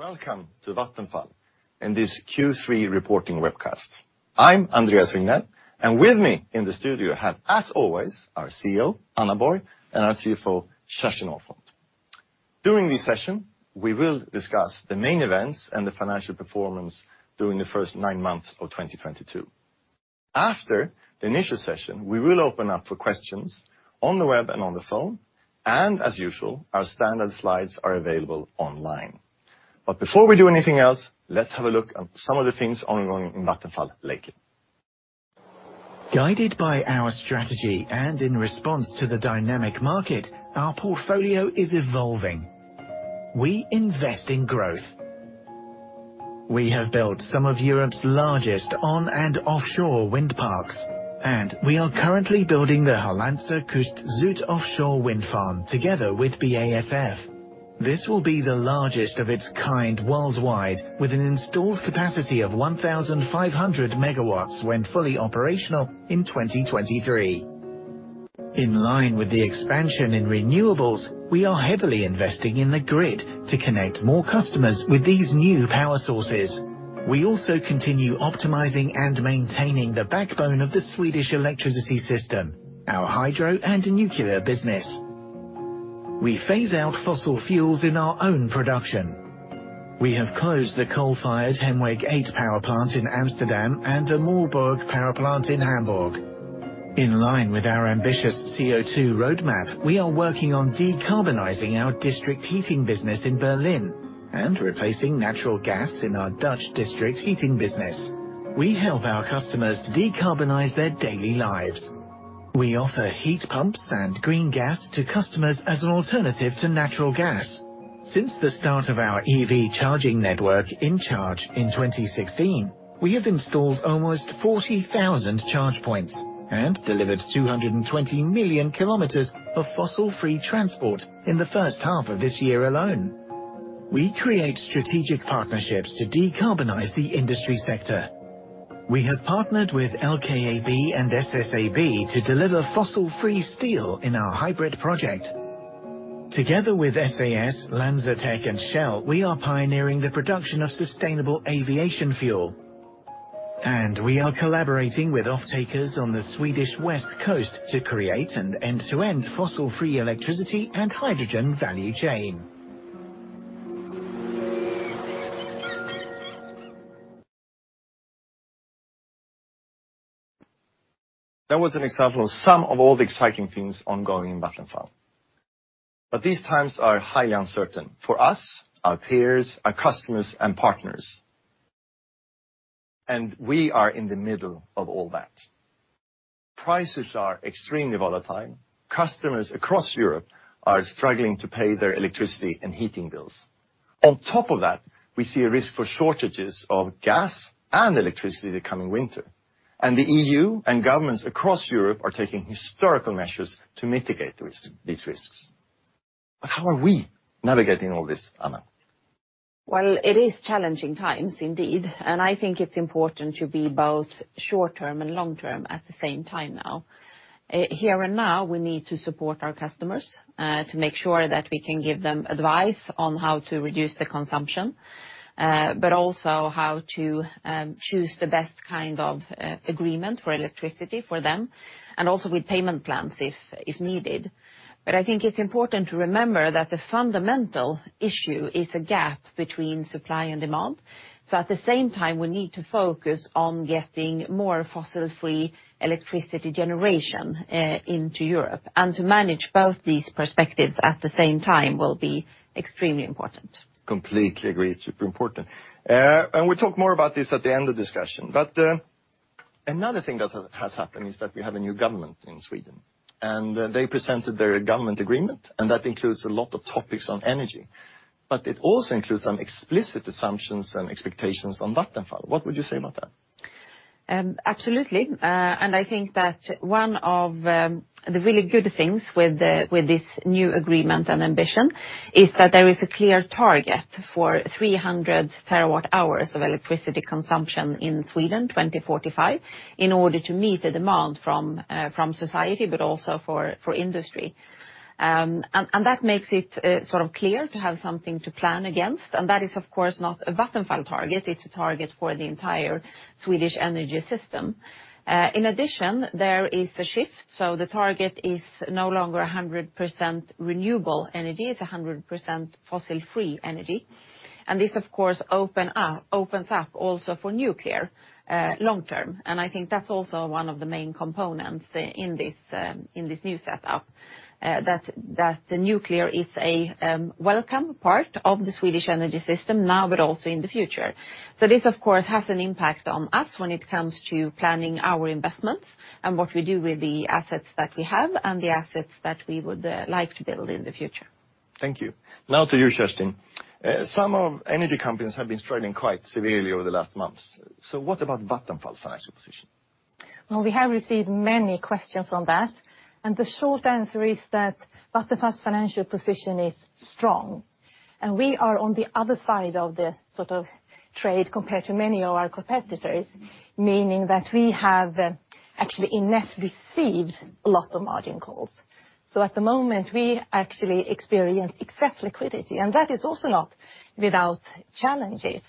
Welcome to Vattenfall and this Q3 reporting webcast. I'm Andreas Regnell, and with me in the studio I have, as always, our CEO, Anna Borg, and our CFO, Kerstin Ahlfont. During this session, we will discuss the main events and the financial performance during the first nine months of 2022. After the initial session, we will open up for questions on the web and on the phone, and as usual, our standard slides are available online. Before we do anything else, let's have a look at some of the things ongoing in Vattenfall lately. Guided by our strategy and in response to the dynamic market, our portfolio is evolving. We invest in growth. We have built some of Europe's largest on and offshore wind parks, and we are currently building the Hollandse Kust Zuid offshore wind farm together with BASF. This will be the largest of its kind worldwide, with an installed capacity of 1,500 MW when fully operational in 2023. In line with the expansion in renewables, we are heavily investing in the grid to connect more customers with these new power sources. We also continue optimizing and maintaining the backbone of the Swedish electricity system, our hydro and nuclear business. We phase out fossil fuels in our own production. We have closed the coal-fired Hemweg 8 power plant in Amsterdam and the Moorburg power plant in Hamburg. In line with our ambitious CO2 roadmap, we are working on decarbonizing our district heating business in Berlin and replacing natural gas in our Dutch district heating business. We help our customers decarbonize their daily lives. We offer heat pumps and green gas to customers as an alternative to natural gas. Since the start of our EV charging network in InCharge in 2016, we have installed almost 40,000 charge points and delivered 220 million km of fossil-free transport in the first half of this year alone. We create strategic partnerships to decarbonize the industry sector. We have partnered with LKAB and SSAB to deliver fossil-free steel in our HYBRIT project. Together with SAS, LanzaTech and Shell, we are pioneering the production of sustainable aviation fuel. We are collaborating with offtakers on the Swedish west coast to create an end-to-end fossil-free electricity and hydrogen value chain. That was an example of some of all the exciting things ongoing in Vattenfall. These times are highly uncertain for us, our peers, our customers and partners. We are in the middle of all that. Prices are extremely volatile. Customers across Europe are struggling to pay their electricity and heating bills. On top of that, we see a risk for shortages of gas and electricity the coming winter. The EU and governments across Europe are taking historical measures to mitigate risk, these risks. How are we navigating all this, Anna? Well, it is challenging times indeed, and I think it's important to be both short-term and long-term at the same time now. Here and now, we need to support our customers to make sure that we can give them advice on how to reduce their consumption, but also how to choose the best kind of agreement for electricity for them and also with payment plans if needed. I think it's important to remember that the fundamental issue is a gap between supply and demand. At the same time, we need to focus on getting more fossil-free electricity generation into Europe. To manage both these perspectives at the same time will be extremely important. Completely agree. Super important. We'll talk more about this at the end of the discussion. Another thing that has happened is that we have a new government in Sweden, and they presented their Government Agreement, and that includes a lot of topics on energy. It also includes some explicit assumptions and expectations on Vattenfall. What would you say about that? Absolutely. I think that one of the really good things with this new agreement and ambition is that there is a clear target for 300 terawatt hours of electricity consumption in Sweden 2045, in order to meet the demand from society, but also for industry. That makes it sort of clear to have something to plan against, and that is of course not a Vattenfall target, it's a target for the entire Swedish energy system. In addition, there is a shift, so the target is no longer 100% renewable energy, it's 100% fossil-free energy. This of course opens up also for nuclear long term. I think that's also one of the main components in this, in this new setup, that the nuclear is a welcome part of the Swedish energy system now, but also in the future. This of course has an impact on us when it comes to planning our investments and what we do with the assets that we have and the assets that we would like to build in the future. Thank you. Now to you, Kerstin. Some of energy companies have been struggling quite severely over the last months. What about Vattenfall's financial position? Well, we have received many questions on that, and the short answer is that Vattenfall's financial position is strong. We are on the other side of the sort of trade compared to many of our competitors, meaning that we have actually in net received a lot of margin calls. At the moment, we actually experience excess liquidity, and that is also not without challenges.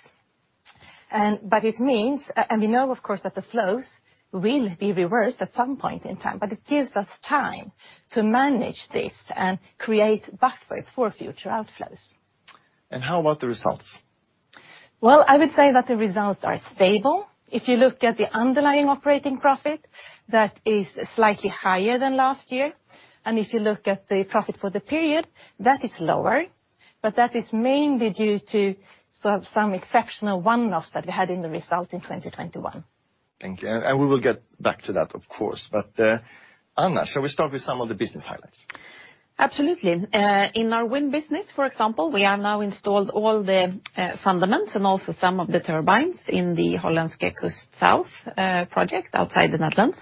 It means, and we know of course that the flows will be reversed at some point in time, but it gives us time to manage this and create buffers for future outflows. How about the results? Well, I would say that the results are stable. If you look at the underlying operating profit, that is slightly higher than last year. If you look at the profit for the period, that is lower, but that is mainly due to some exceptional one-offs that we had in the result in 2021. Thank you, we will get back to that, of course. Anna, shall we start with some of the business highlights? Absolutely. In our wind business, for example, we have now installed all the foundations and also some of the turbines in the Hollandse Kust Zuid project outside the Netherlands.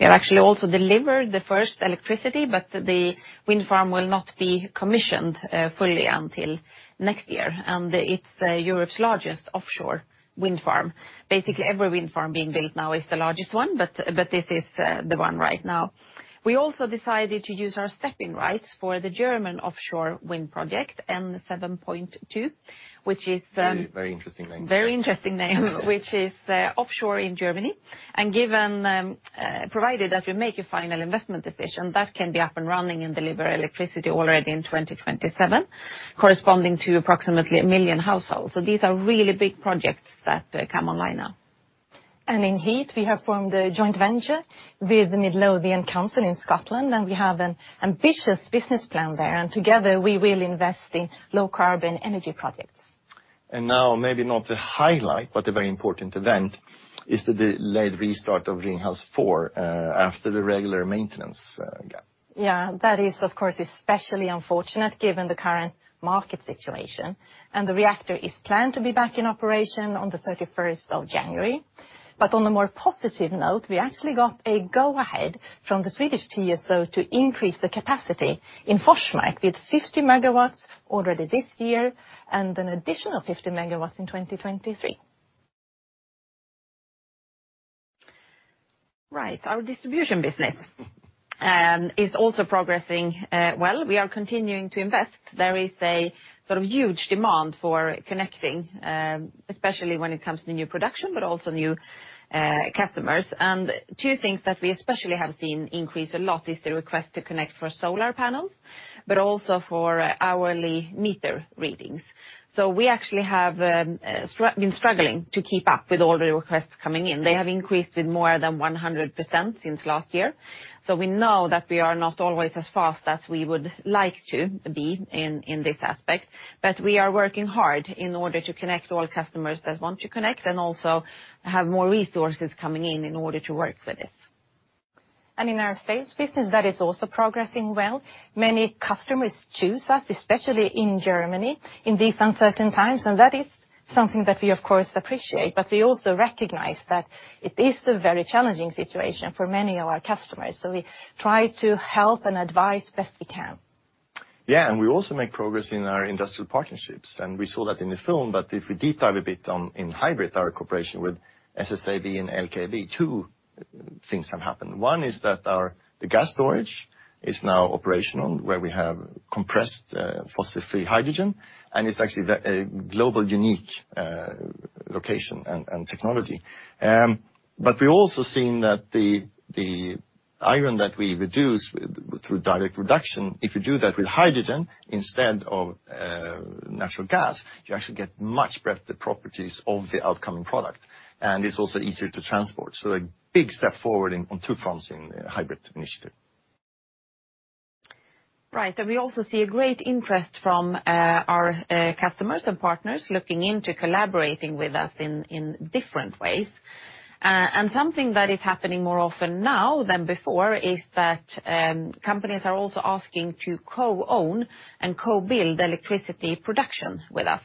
We have actually also delivered the first electricity, but the wind farm will not be commissioned fully until next year, and it's Europe's largest offshore wind farm. Basically, every wind farm being built now is the largest one, but this is the one right now. We also decided to use our stepping rights for the German offshore wind project, N-7.2, which is - A very interesting name. Very interesting name, which is offshore in Germany. Provided that we make a final investment decision, that can be up and running and deliver electricity already in 2027, corresponding to approximately 1 million households. These are really big projects that come online now. In Heat, we have formed a joint venture with Midlothian Council in Scotland, and we have an ambitious business plan there. Together, we will invest in low-carbon energy projects. Now, maybe not the highlight, but a very important event is the delayed restart of Ringhals 4 after the regular maintenance, yeah. Yeah, that is, of course, especially unfortunate given the current market situation. The reactor is planned to be back in operation on the January 31st. On a more positive note, we actually got a go-ahead from the Swedish TSO to increase the capacity in Forsmark with 50 MW already this year and an additional 50 MW in 2023. Right. Our distribution business is also progressing well. We are continuing to invest. There is a sort of huge demand for connecting, especially when it comes to new production, but also new customers. Two things that we especially have seen increase a lot is the request to connect for solar panels, but also for hourly meter readings. We actually have been struggling to keep up with all the requests coming in. They have increased with more than 100% since last year. We know that we are not always as fast as we would like to be in this aspect. We are working hard in order to connect all customers that want to connect and also have more resources coming in in order to work with this. In our sales business, that is also progressing well. Many customers choose us, especially in Germany, in these uncertain times, and that is something that we of course appreciate. We also recognize that it is a very challenging situation for many of our customers, so we try to help and advise best we can. Yeah, we also make progress in our industrial partnerships, and we saw that in the film. If we detail a bit on HYBRIT, our cooperation with SSAB and LKAB, two things have happened. One is that our gas storage is now operational, where we have compressed fossil-free hydrogen, and it's actually a global unique location and technology. We're also seeing that the iron that we reduce through direct reduction, if you do that with hydrogen instead of natural gas, you actually get much better properties of the upcoming product, and it's also easier to transport. A big step forward on two fronts in the HYBRIT initiative. Right. We also see a great interest from our customers and partners looking into collaborating with us in different ways. Something that is happening more often now than before is that companies are also asking to co-own and co-build electricity productions with us.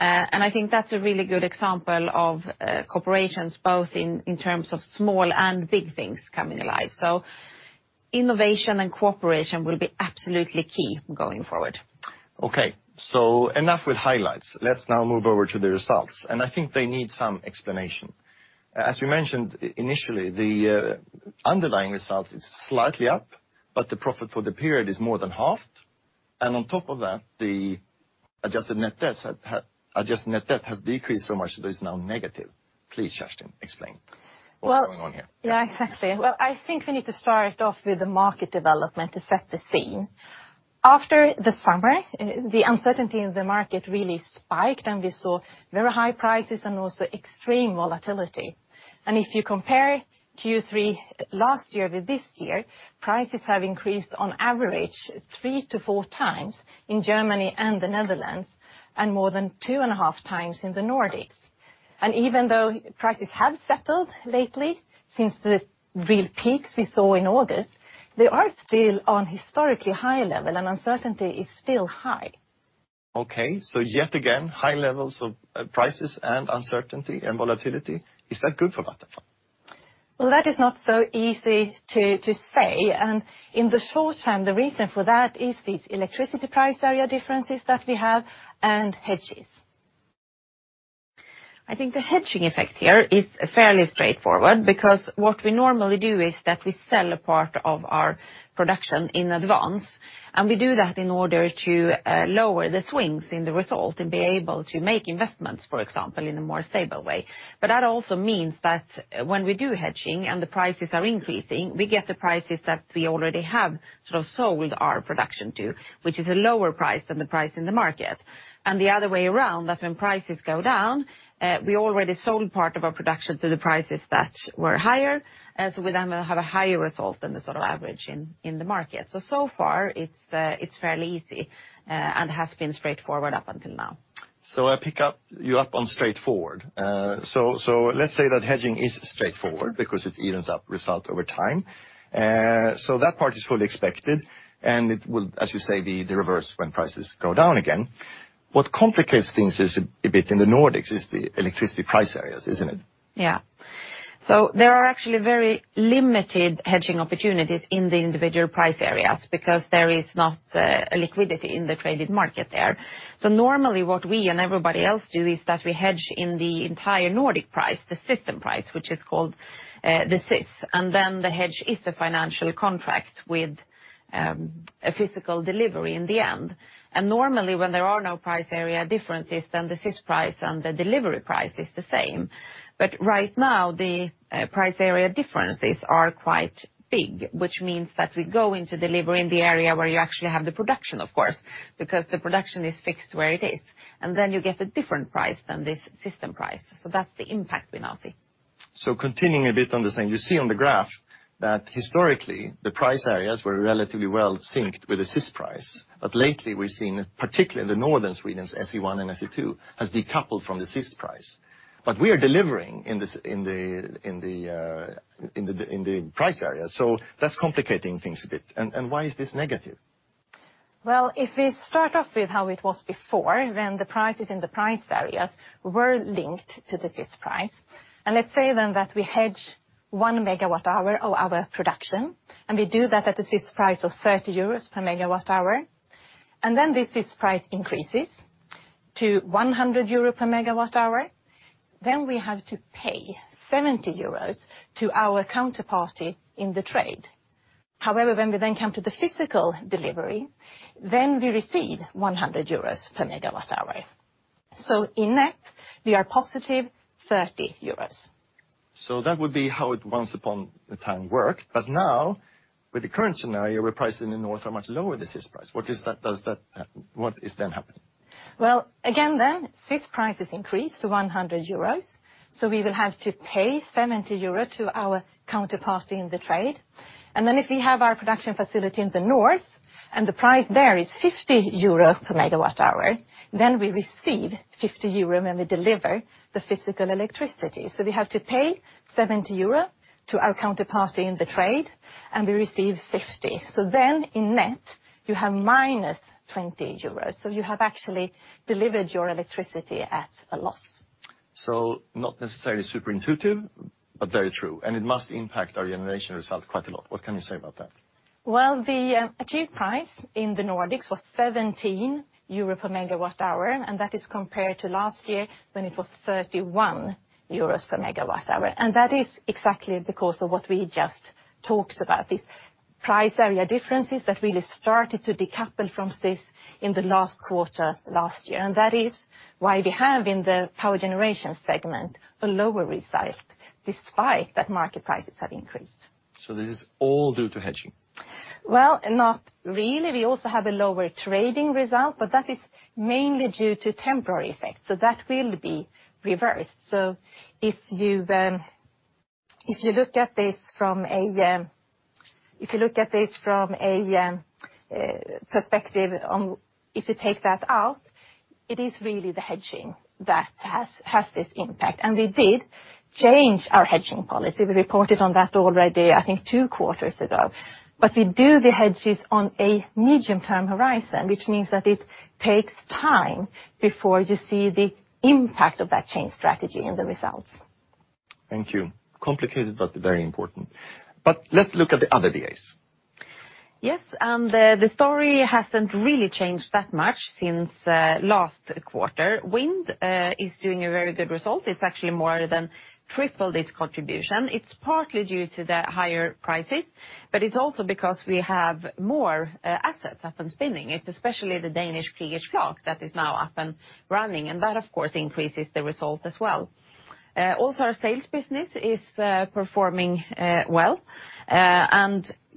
I think that's a really good example of corporations both in terms of small and big things coming alive. Innovation and cooperation will be absolutely key going forward. Okay. Enough with highlights. Let's now move over to the results, and I think they need some explanation. As we mentioned initially, the underlying result is slightly up, but the profit for the period is more than halved. On top of that, the adjusted net debt has decreased so much that it's now negative. Please, Kerstin, explain. What's going on here? Yeah, exactly. Well, I think we need to start off with the market development to set the scene. After the summer, the uncertainty in the market really spiked, and we saw very high prices and also extreme volatility. If you compare Q3 last year with this year, prices have increased on average 3x-4x in Germany and the Netherlands, and more than 2.5x in the Nordics. Even though prices have settled lately since the real peaks we saw in August, they are still on historically high level, and uncertainty is still high. Yet again, high levels of prices and uncertainty and volatility. Is that good for Vattenfall? Well, that is not so easy to say. In the short term, the reason for that is these electricity price area differences that we have and hedges. I think the hedging effect here is fairly straightforward, because what we normally do is that we sell a part of our production in advance, and we do that in order to lower the swings in the result and be able to make investments, for example, in a more stable way. That also means that when we do hedging and the prices are increasing, we get the prices that we already have sort of sold our production to, which is a lower price than the price in the market. The other way around, that when prices go down, we already sold part of our production to the prices that were higher, and so we then will have a higher result than the sort of average in the market. So far, it's fairly easy, and has been straightforward up until now. I pick you up on straightforward. Let's say that hedging is straightforward because it evens out results over time. That part is fully expected, and it will, as you say, be the reverse when prices go down again. What complicates things a bit in the Nordics is the electricity price areas, isn't it? Yeah. There are actually very limited hedging opportunities in the individual price areas because there is not liquidity in the traded market there. Normally, what we and everybody else do is that we hedge in the entire Nordic price, the system price, which is called the SYS. Then the hedge is the financial contract with a physical delivery in the end. Normally, when there are no price area differences, then the SYS price and the delivery price is the same. But right now, the price area differences are quite big, which means that we go into delivery in the area where you actually have the production, of course, because the production is fixed where it is. Then you get a different price than this system price. That's the impact we now see. Continuing a bit on the same, you see on the graph that historically, the price areas were relatively well synced with the SYS price. Lately, we've seen, particularly in the northern Sweden, SE1 and SE2, has decoupled from the SYS price. We are delivering in this price area, so that's complicating things a bit. Why is this negative? Well, if we start off with how it was before, when the prices in the price areas were linked to the SYS price, and let's say then that we hedge 1 MWh of our production, and we do that at the SYS price of 30 euros per MWh, and then this SYS price increases to 100 euro per MWh, then we have to pay 70 euros to our counterparty in the trade. However, when we then come to the physical delivery, then we receive 100 euros per MWh. In net, we are positive 30 euros. That would be how it once upon a time worked. Now, with the current scenario, where prices in the north are much lower than the SYS price, what is then happening? Well, again, SYS prices increase to 100 euros, so we will have to pay 70 euros to our counterparty in the trade. If we have our production facility in the north and the price there is 50 euro per MWh, then we receive 50 euro when we deliver the physical electricity. We have to pay 70 euro to our counterparty in the trade, and we receive 50. In net, you have -20 euros. You have actually delivered your electricity at a loss. Not necessarily super intuitive, but very true. It must impact our generation results quite a lot. What can you say about that? Well, the achieved price in the Nordics was 17 euro per MWh, and that is compared to last year when it was 31 euros per MWh. That is exactly because of what we just talked about, these price area differences that really started to decouple from SYS in the last quarter last year. That is why we have in the Power Generation segment a lower result, despite that market prices have increased. This is all due to hedging? Well, not really. We also have a lower trading result, but that is mainly due to temporary effects. That will be reversed. If you look at this from a perspective on if you take that out, it is really the hedging that has this impact. We did change our hedging policy. We reported on that already, I think two quarters ago. We do the hedges on a medium-term horizon, which means that it takes time before you see the impact of that change strategy in the results. Thank you. Complicated, but very important. Let's look at the other BAs. The story hasn't really changed that much since last quarter. Wind is doing a very good result. It's actually more than tripled its contribution. It's partly due to the higher prices, but it's also because we have more assets up and spinning. It's especially the Danish Kriegers Flak that is now up and running, and that of course increases the result as well. Also our sales business is performing well.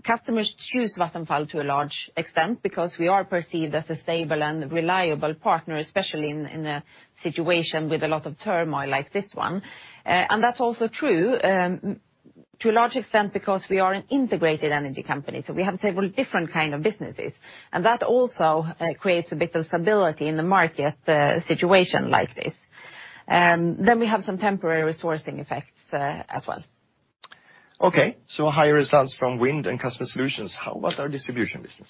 Customers choose Vattenfall to a large extent because we are perceived as a stable and reliable partner, especially in a situation with a lot of turmoil like this one. That's also true to a large extent because we are an integrated energy company, so we have several different kinds of businesses. That also creates a bit of stability in the market situation like this. Then we have some temporary resourcing effects as well. Okay, higher results from Wind and Customer & Solutions. How about our Distribution business?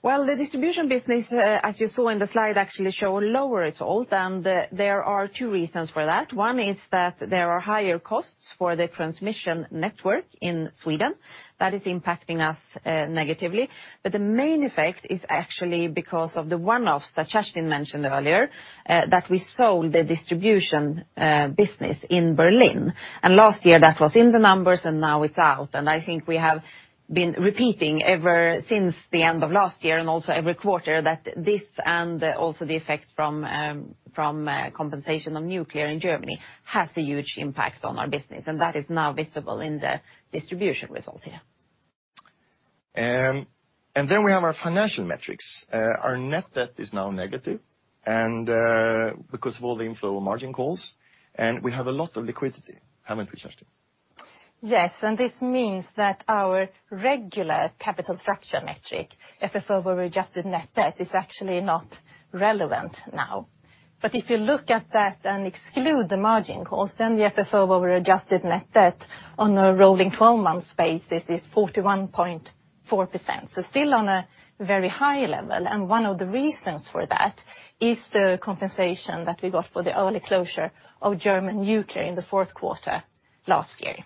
Well, the Distribution business, as you saw in the slide, actually show a lower result, and there are two reasons for that. One is that there are higher costs for the transmission network in Sweden that is impacting us negatively. The main effect is actually because of the one-offs that Kerstin mentioned earlier that we sold the distribution business in Berlin. Last year that was in the numbers, and now it's out. I think we have been repeating ever since the end of last year and also every quarter that this and also the effect from compensation of nuclear in Germany has a huge impact on our business, and that is now visible in the distribution results, yeah. We have our financial metrics. Our net debt is now negative, because of all the inflow of margin calls, and we have a lot of liquidity, haven't we, Kerstin? Yes, this means that our regular capital structure metric, FFO-adjusted net debt, is actually not relevant now. If you look at that and exclude the margin calls, then the FFO-adjusted net debt on a rolling 12-month basis is 41.4%, so still on a very high level. One of the reasons for that is the compensation that we got for the early closure of German nuclear in the fourth quarter last year.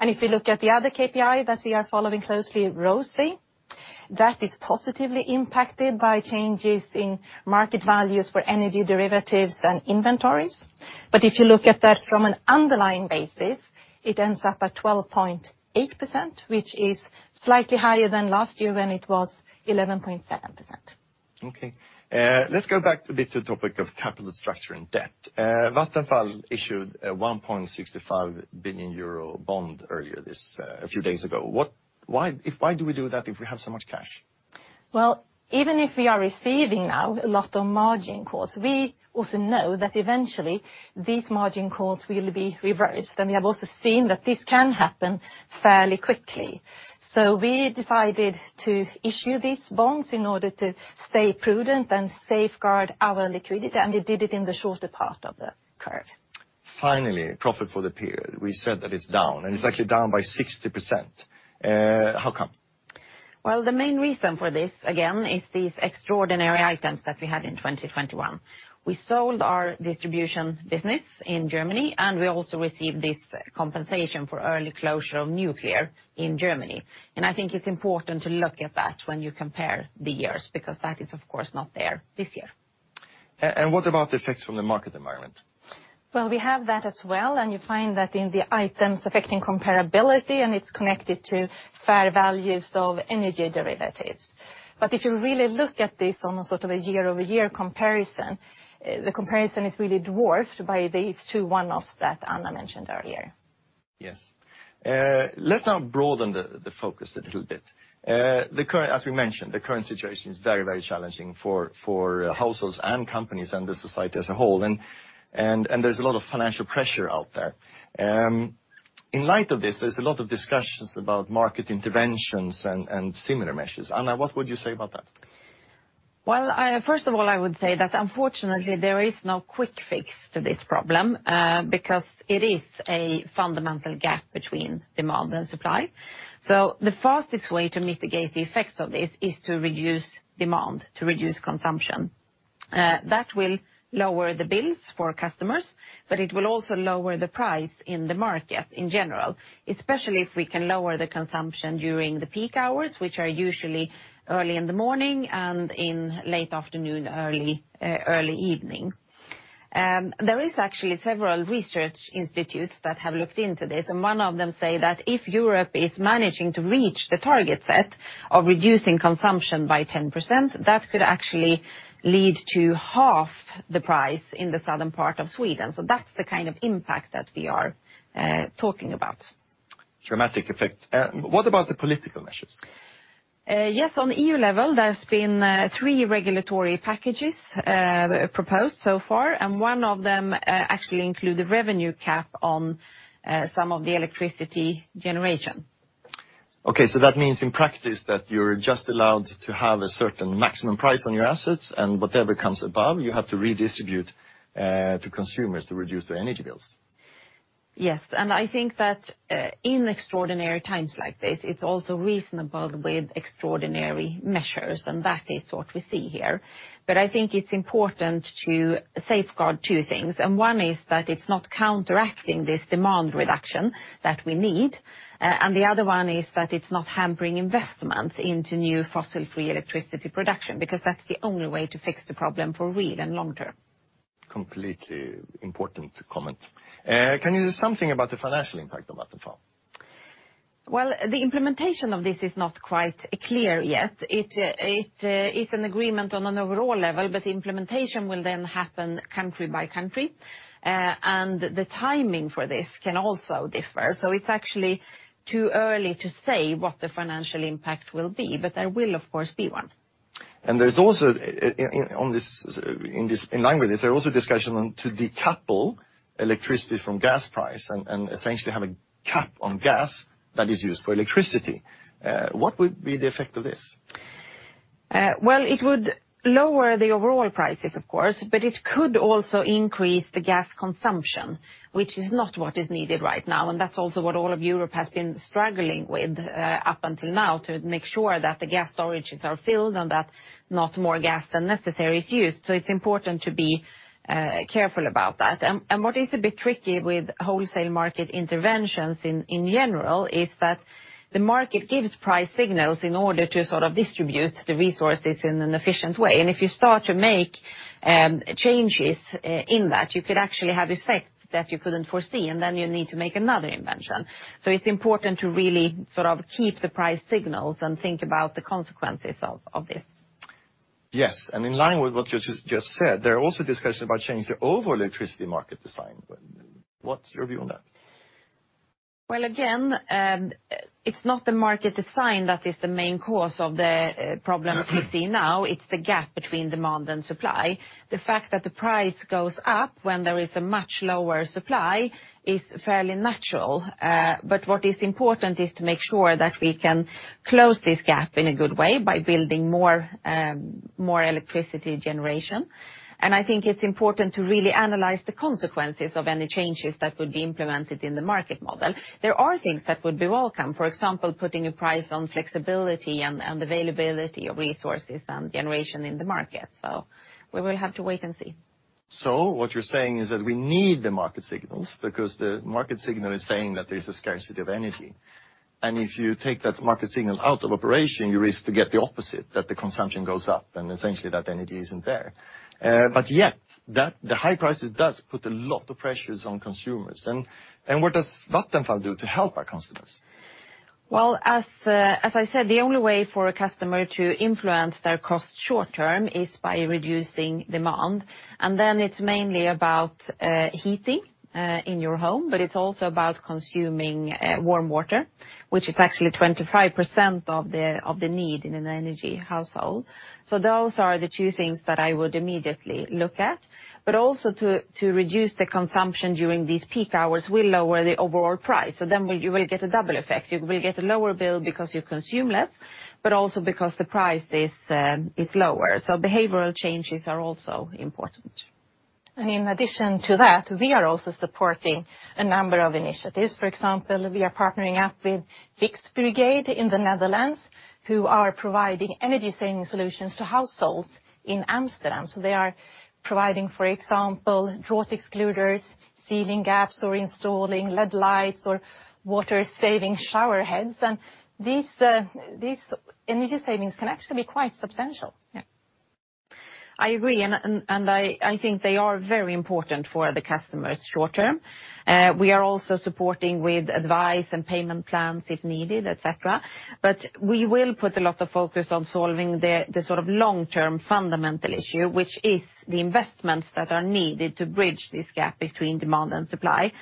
If you look at the other KPI that we are following closely, ROCE, that is positively impacted by changes in market values for energy derivatives and inventories. If you look at that from an underlying basis, it ends up at 12.8%, which is slightly higher than last year when it was 11.7%. Okay. Let's go back a bit to the topic of capital structure and debt. Vattenfall issued a 1.65 billion euro bond earlier this, a few days ago. Why do we do that if we have so much cash? Well, even if we are receiving now a lot of margin calls, we also know that eventually these margin calls will be reversed. We have also seen that this can happen fairly quickly. We decided to issue these bonds in order to stay prudent and safeguard our liquidity, and we did it in the shorter part of the curve. Finally, profit for the period. We said that it's down, and it's actually down by 60%. How come? Well, the main reason for this, again, is these extraordinary items that we had in 2021. We sold our distribution business in Germany, and we also received this compensation for early closure of nuclear in Germany. I think it's important to look at that when you compare the years because that is, of course, not there this year. What about the effects from the market environment? Well, we have that as well, and you find that in the items affecting comparability, and it's connected to fair values of energy derivatives. If you really look at this on a sort of a year-over-year comparison, the comparison is really dwarfed by these two one-offs that Anna mentioned earlier. Yes. Let's now broaden the focus a little bit. As we mentioned, the current situation is very, very challenging for households and companies and the society as a whole and there's a lot of financial pressure out there. In light of this, there's a lot of discussions about market interventions and similar measures. Anna, what would you say about that? Well, first of all, I would say that unfortunately there is no quick fix to this problem, because it is a fundamental gap between demand and supply. The fastest way to mitigate the effects of this is to reduce demand, to reduce consumption. That will lower the bills for customers, but it will also lower the price in the market in general, especially if we can lower the consumption during the peak hours, which are usually early in the morning and in late afternoon, early evening. There are actually several research institutes that have looked into this, and one of them say that if Europe is managing to reach the target set of reducing consumption by 10%, that could actually lead to half the price in the southern part of Sweden. That's the kind of impact that we are talking about. Dramatic effect. What about the political measures? Yes, on the EU level, there's been three regulatory packages proposed so far, and one of them actually include a revenue cap on some of the electricity generation. Okay, that means in practice that you're just allowed to have a certain maximum price on your assets, and whatever comes above, you have to redistribute to consumers to reduce their energy bills. Yes, I think that in extraordinary times like this, it's also reasonable with extraordinary measures, and that is what we see here. I think it's important to safeguard two things, and one is that it's not counteracting this demand reduction that we need. The other one is that it's not hampering investments into new fossil-free electricity production, because that's the only way to fix the problem for real and long term. Completely important comment. Can you say something about the financial impact on Vattenfall? Well, the implementation of this is not quite clear yet. It is an agreement on an overall level, but the implementation will then happen country by country. The timing for this can also differ, so it's actually too early to say what the financial impact will be, but there will, of course, be one. There's also in line with this, there are also discussions on to decouple electricity from gas price and essentially have a cap on gas that is used for electricity. What would be the effect of this? Well, it would lower the overall prices, of course, but it could also increase the gas consumption, which is not what is needed right now, and that's also what all of Europe has been struggling with, up until now to make sure that the gas storages are filled and that not more gas than necessary is used. It's important to be careful about that. What is a bit tricky with wholesale market interventions in general is that the market gives price signals in order to sort of distribute the resources in an efficient way. If you start to make changes in that, you could actually have effects that you couldn't foresee, and then you need to make another intervention. It's important to really sort of keep the price signals and think about the consequences of this. Yes. In line with what you just said, there are also discussions about changing the overall electricity market design. What's your view on that? Well, again, it's not the market design that is the main cause of the problems we see now. It's the gap between demand and supply. The fact that the price goes up when there is a much lower supply is fairly natural. But what is important is to make sure that we can close this gap in a good way by building more electricity generation. I think it's important to really analyze the consequences of any changes that would be implemented in the market model. There are things that would be welcome, for example, putting a price on flexibility and availability of resources and generation in the market. We will have to wait and see. What you're saying is that we need the market signals because the market signal is saying that there is a scarcity of energy. If you take that market signal out of operation, you risk to get the opposite, that the consumption goes up and essentially that energy isn't there. Yet the high prices does put a lot of pressures on consumers. What does Vattenfall do to help our customers? Well, as I said, the only way for a customer to influence their cost short-term is by reducing demand. Then it's mainly about heating in your home, but it's also about consuming warm water, which is actually 25% of the need in an energy household. Those are the two things that I would immediately look at. Also to reduce the consumption during these peak hours will lower the overall price. Then you will get a double effect. You will get a lower bill because you consume less, but also because the price is lower. Behavioral changes are also important. In addition to that, we are also supporting a number of initiatives. For example, we are partnering up with FIXbrigade in The Netherlands, who are providing energy-saving solutions to households in Amsterdam. They are providing, for example, draught excluders, sealing gaps or installing LED lights or water-saving shower heads. These energy savings can actually be quite substantial. Yeah. I agree, and I think they are very important for the customers short term. We are also supporting with advice and payment plans if needed, et cetera. We will put a lot of focus on solving the sort of long-term fundamental issue, which is the investments that are needed to bridge this gap between demand and supply.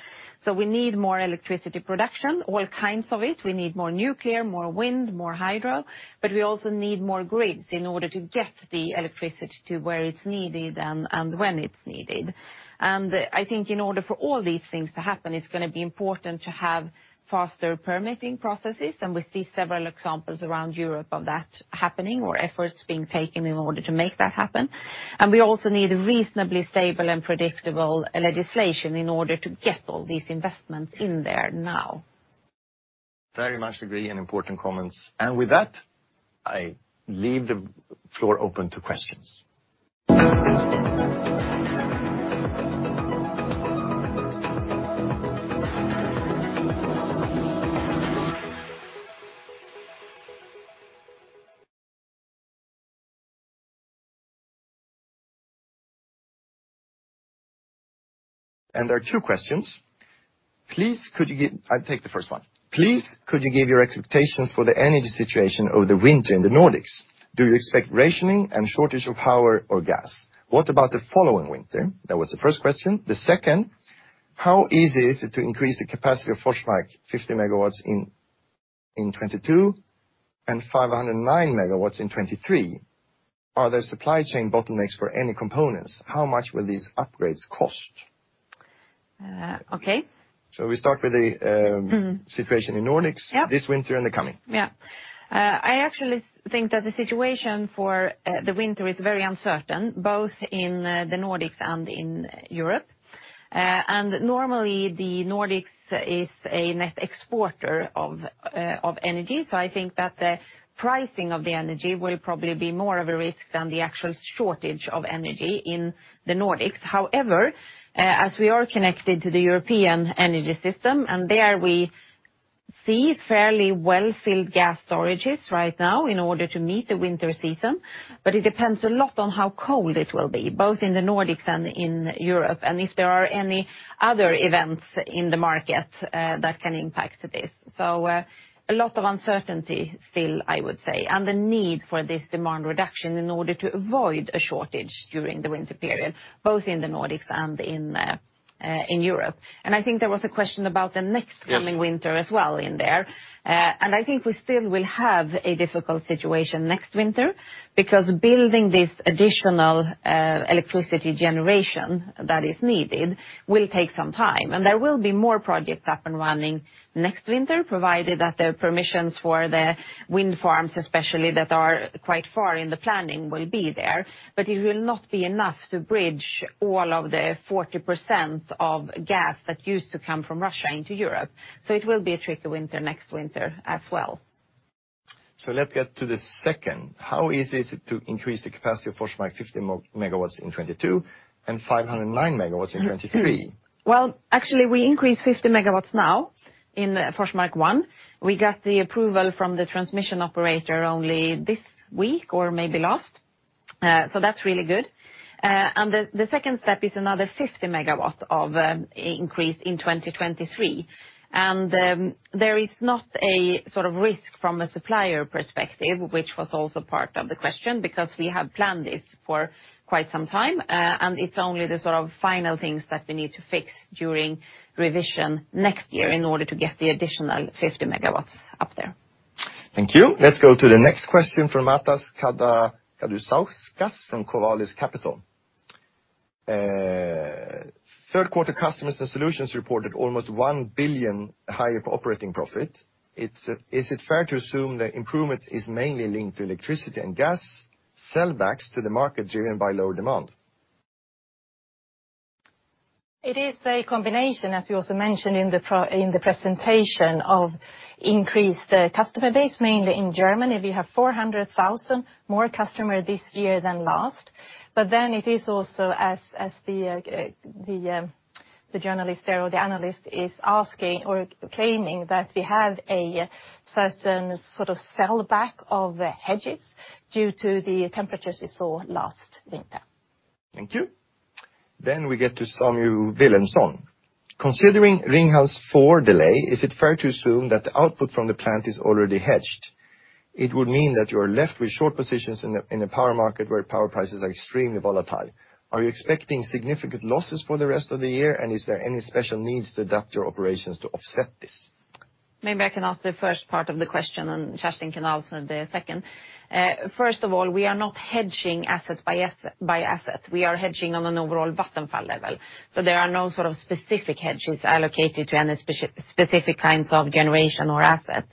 We need more electricity production, all kinds of it. We need more nuclear, more wind, more hydro, but we also need more grids in order to get the electricity to where it's needed and when it's needed. I think in order for all these things to happen, it's gonna be important to have faster permitting processes. We see several examples around Europe of that happening or efforts being taken in order to make that happen. We also need a reasonably stable and predictable legislation in order to get all these investments in there now. Very much agree, and important comments. With that, I leave the floor open to questions. There are two questions. I'll take the first one. Please, could you give your expectations for the energy situation over the winter in the Nordics? Do you expect rationing and shortage of power or gas? What about the following winter? That was the first question. The second, how easy is it to increase the capacity of Forsmark, 50 MW in 2022 and 50 MW in 2023? Are there supply chain bottlenecks for any components? How much will these upgrades cost? Okay. Shall we start with the situation in Nordics Yeah This winter and the coming? Yeah. I actually think that the situation for the winter is very uncertain, both in the Nordics and in Europe. Normally, the Nordics is a net exporter of energy, so I think that the pricing of the energy will probably be more of a risk than the actual shortage of energy in the Nordics. However, as we are connected to the European energy system, and there we see fairly well-filled gas storages right now in order to meet the winter season, but it depends a lot on how cold it will be, both in the Nordics and in Europe, and if there are any other events in the market that can impact this. A lot of uncertainty still, I would say, and the need for this demand reduction in order to avoid a shortage during the winter period, both in the Nordics and in Europe. I think there was a question about the next coming winter as well in there. Yes I think we still will have a difficult situation next winter because building this additional electricity generation that is needed will take some time. There will be more projects up and running next winter, provided that the permissions for the wind farms especially that are quite far in the planning will be there. It will not be enough to bridge all of the 40% of gas that used to come from Russia into Europe. It will be a tricky winter next winter as well. Let's get to the second. How easy is it to increase the capacity of Forsmark 50 MW in 2022 and 50 MW in 2023? Well, actually, we increased 50 MW now in Forsmark 1. We got the approval from the transmission operator only this week or maybe last, so that's really good. The second step is another 50 MW of increase in 2023. There is not a sort of risk from a supplier perspective, which was also part of the question, because we have planned this for quite some time, and it's only the sort of final things that we need to fix during revision next year in order to get the additional 50 MW up there. Thank you. Let's go to the next question from Matas Gudauskas from Covalis Capital. Third quarter Customers & Solutions reported almost 1 billion higher operating profit. Is it fair to assume the improvement is mainly linked to electricity and gas sellbacks to the market driven by lower demand? It is a combination, as we also mentioned in the presentation, of increased customer base, mainly in Germany. We have 400,000 more customers this year than last. It is also, as the journalist there or the analyst is asking or claiming that we have a certain sort of sellback of hedges due to the temperatures we saw last winter. Thank you. We get to Samu Wilhelmsson. Considering Ringhals 4 delay, is it fair to assume that the output from the plant is already hedged? It would mean that you are left with short positions in the power market where power prices are extremely volatile. Are you expecting significant losses for the rest of the year, and is there any special needs to adapt your operations to offset this? Maybe I can ask the first part of the question and Kerstin can answer the second. First of all, we are not hedging assets by asset. We are hedging on an overall Vattenfall level. There are no sort of specific hedges allocated to any specific kinds of generation or assets.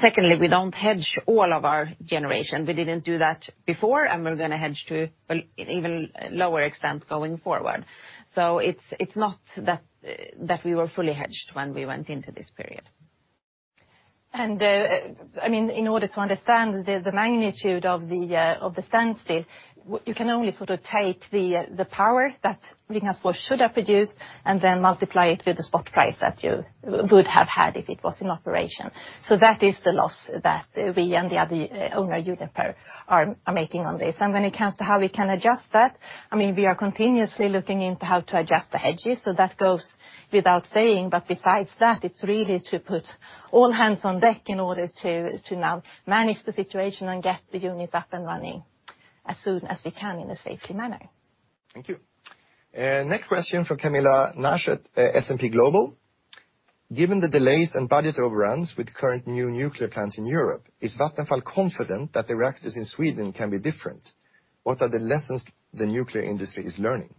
Secondly, we don't hedge all of our generation. We didn't do that before, and we're gonna hedge to, well, even lower extent going forward. It's not that that we were fully hedged when we went into this period. I mean, in order to understand the magnitude of the sensitivity, you can only sort of take the power that Ringhals 4 should have produced and then multiply it with the spot price that you would have had if it was in operation. That is the loss that we and the other owner, Uniper, are making on this. When it comes to how we can adjust that, I mean, we are continuously looking into how to adjust the hedges, so that goes without saying. Besides that, it's really to put all hands on deck in order to now manage the situation and get the unit up and running as soon as we can in a safe manner. Thank you. Next question from Camilla Naschert at S&P Global. Given the delays and budget overruns with current new nuclear plants in Europe, is Vattenfall confident that the reactors in Sweden can be different? What are the lessons the nuclear industry is learning?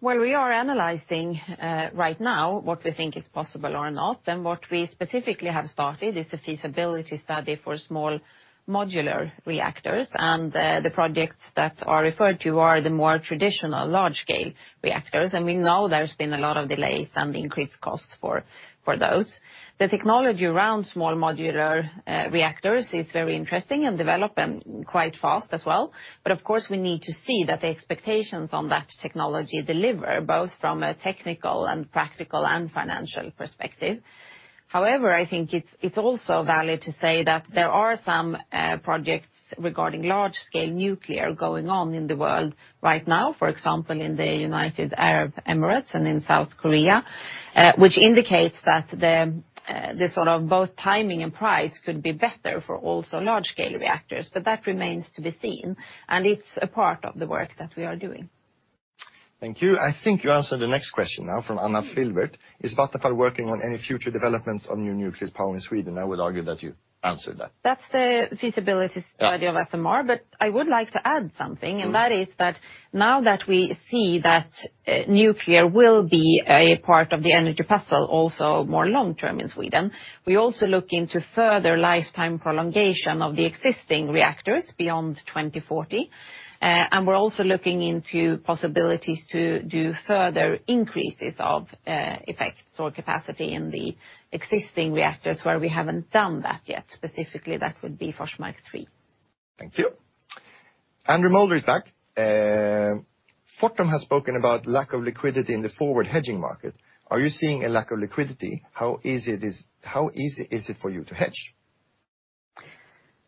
Well, we are analyzing right now what we think is possible or not, and what we specifically have started is the feasibility study for small modular reactors. The projects that are referred to are the more traditional large-scale reactors, and we know there's been a lot of delays and increased costs for those. The technology around small modular reactors is very interesting and developing quite fast as well. Of course, we need to see that the expectations on that technology deliver, both from a technical and practical and financial perspective. However, I think it's also valid to say that there are some projects regarding large-scale nuclear going on in the world right now, for example, in the United Arab Emirates and in South Korea, which indicates that the sort of both timing and price could be better for also large-scale reactors. That remains to be seen, and it's a part of the work that we are doing. Thank you. I think you answered the next question now from Anne Filbert. Is Vattenfall working on any future developments on new nuclear power in Sweden? I would argue that you answered that. That's the feasibility study of SMR. I would like to add something, and that is that now that we see that nuclear will be a part of the energy puzzle also more long-term in Sweden, we're also looking to further lifetime prolongation of the existing reactors beyond 2040. We're also looking into possibilities to do further increases of effects or capacity in the existing reactors where we haven't done that yet. Specifically, that would be Forsmark 3. Thank you. Andrew Moulder is back. Fortum has spoken about lack of liquidity in the forward hedging market. Are you seeing a lack of liquidity? How easy is it for you to hedge?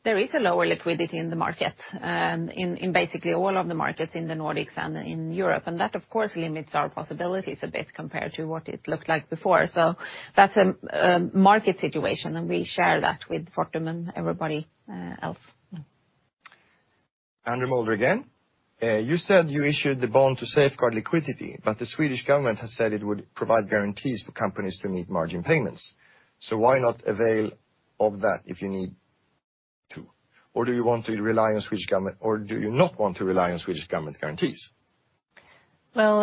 There is a lower liquidity in the market, in basically all of the markets in the Nordics and in Europe, and that of course limits our possibilities a bit compared to what it looked like before. That's a market situation, and we share that with Fortum and everybody else. Andrew Moulder again. You said you issued the bond to safeguard liquidity, but the Swedish government has said it would provide guarantees for companies to meet margin payments. Why not avail of that if you need to? Do you not want to rely on Swedish government guarantees? Well,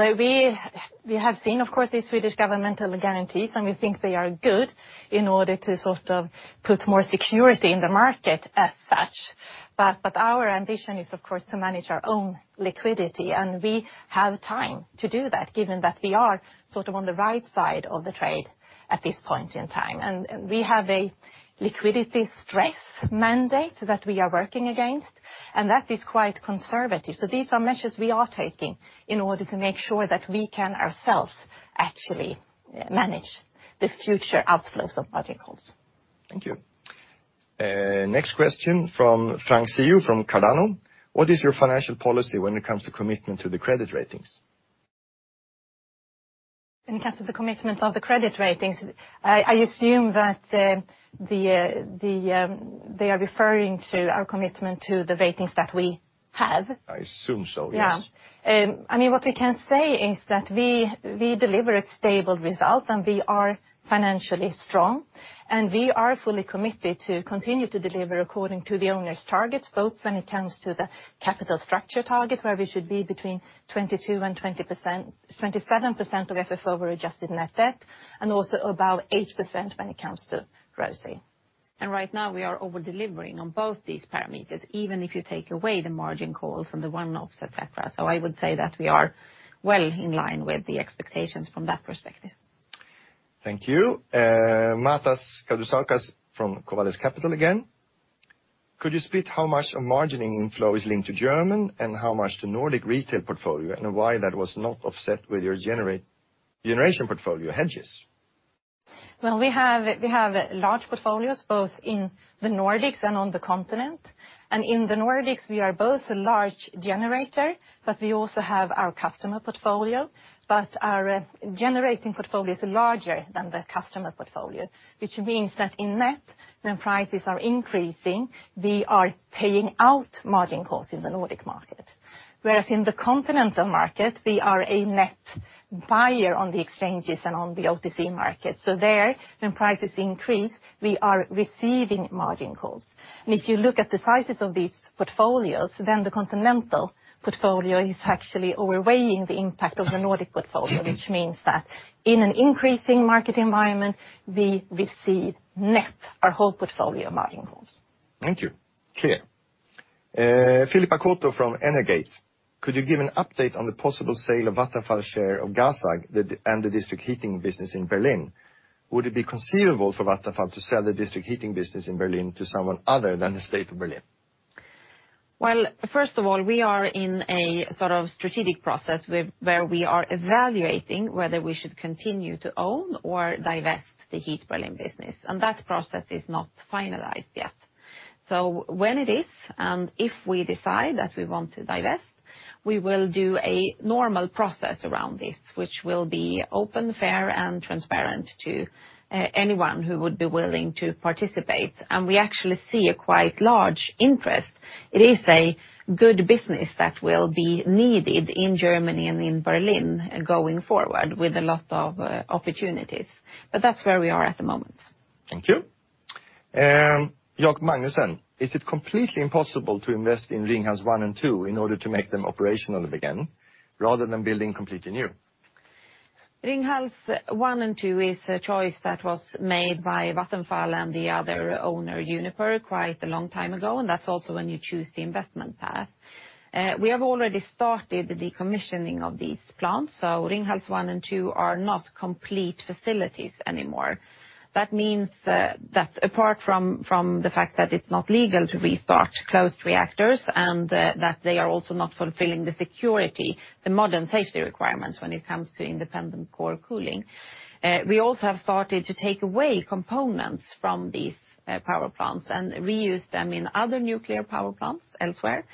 we have seen, of course, the Swedish governmental guarantees, and we think they are good in order to sort of put more security in the market as such. Our ambition is, of course, to manage our own liquidity, and we have time to do that, given that we are sort of on the right side of the trade at this point in time. We have a liquidity stress mandate that we are working against, and that is quite conservative. These are measures we are taking in order to make sure that we can ourselves actually manage the future outflows of margin calls. Thank you. Next question from Frank Siu from Cardano. What is your financial policy when it comes to commitment to the credit ratings? In terms of the commitment of the credit ratings, I assume that they are referring to our commitment to the ratings that we have. I assume so, yes. Yeah. I mean, what we can say is that we deliver a stable result and we are financially strong, and we are fully committed to continue to deliver according to the owner's targets, both when it comes to the capital structure target, where we should be between 22% and 27% of FFO over adjusted net debt, and also about 8% when it comes to ROCE. Right now, we are over-delivering on both these parameters, even if you take away the margin calls and the one-offs, et cetera. I would say that we are well in line with the expectations from that perspective. Thank you. Matas Gudauskas from Covalis Capital again. Could you split how much a margining inflow is linked to German and how much to Nordic retail portfolio, and why that was not offset with your generation portfolio hedges? Well, we have large portfolios both in the Nordics and on the continent. In the Nordics, we are both a large generator, but we also have our customer portfolio. Our generating portfolio is larger than the customer portfolio, which means that in net, when prices are increasing, we are paying out margin calls in the Nordic market. Whereas in the continental market, we are a net buyer on the exchanges and on the OTC market. There, when prices increase, we are receiving margin calls. If you look at the sizes of these portfolios, then the continental portfolio is actually overweighting the impact of the Nordic portfolio, which means that in an increasing market environment, we receive net our whole portfolio margin calls. Thank you. Clear. Philip Akoto from Energate. Could you give an update on the possible sale of Vattenfall's share of GASAG and the district heating business in Berlin? Would it be conceivable for Vattenfall to sell the district heating business in Berlin to someone other than the State of Berlin? Well, first of all, we are in a sort of strategic process where we are evaluating whether we should continue to own or divest the heat Berlin business, and that process is not finalized yet. When it is, and if we decide that we want to divest, we will do a normal process around this, which will be open, fair, and transparent to anyone who would be willing to participate. We actually see a quite large interest. It is a good business that will be needed in Germany and in Berlin going forward with a lot of opportunities. That's where we are at the moment. Thank you. Jakob Magnussen. Is it completely impossible to invest in Ringhals 1 and 2 in order to make them operational again, rather than building completely new? Ringhals 1 and 2 is a choice that was made by Vattenfall and the other owner, Uniper, quite a long time ago, and that's also when you choose the investment path. We have already started the decommissioning of these plants, so Ringhals 1 and 2 are not complete facilities anymore. That means that, apart from the fact that it's not legal to restart closed reactors and that they are also not fulfilling the security, the modern safety requirements when it comes to independent core cooling. We also have started to take away components from these power plants and reuse them in other nuclear power plants elsewhere.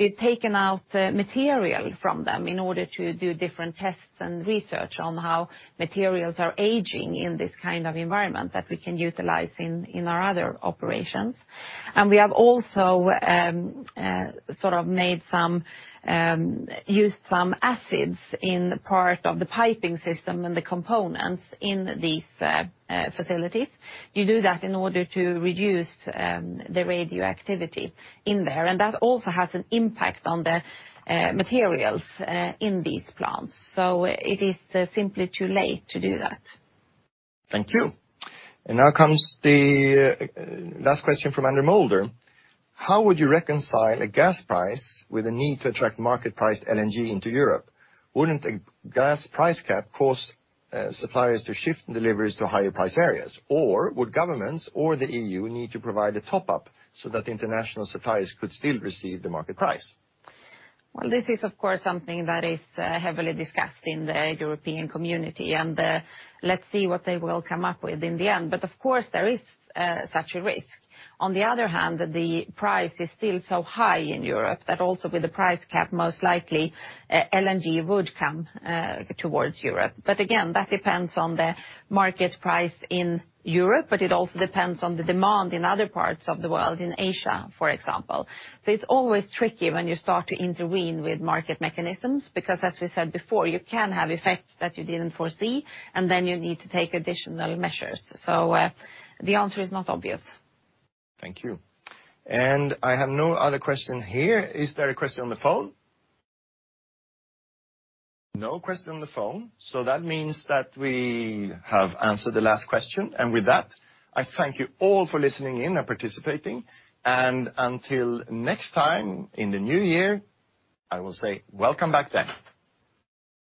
We've taken out material from them in order to do different tests and research on how materials are aging in this kind of environment that we can utilize in our other operations. We have also sort of used some acids in part of the piping system and the components in these facilities. You do that in order to reduce the radioactivity in there. That also has an impact on the materials in these plants. It is simply too late to do that. Thank you. Now comes the last question from Andrew Moulder. How would you reconcile a gas price with a need to attract market-priced LNG into Europe? Wouldn't a gas price cap cause suppliers to shift deliveries to higher price areas? Or would governments or the EU need to provide a top-up so that the international suppliers could still receive the market price? Well, this is of course something that is heavily discussed in the European community, and let's see what they will come up with in the end. Of course, there is such a risk. On the other hand, the price is still so high in Europe that also with the price cap, most likely LNG would come towards Europe. Again, that depends on the market price in Europe, but it also depends on the demand in other parts of the world, in Asia, for example. It's always tricky when you start to intervene with market mechanisms, because as we said before, you can have effects that you didn't foresee, and then you need to take additional measures. The answer is not obvious. Thank you. I have no other question here. Is there a question on the phone? No question on the phone. That means that we have answered the last question. With that, I thank you all for listening in and participating. Until next time in the new year, I will say welcome back then.